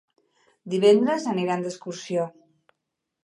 Divendres aniran d'excursió.